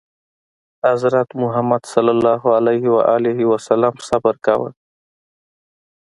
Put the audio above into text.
حضرت محمد ﷺ صبر کاوه.